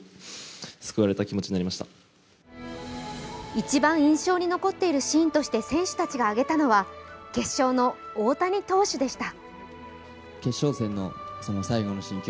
一番印象に残っているシーンとして選手たちが挙げたのは決勝の大谷投手でした。